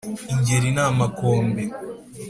ingeri ni amakombe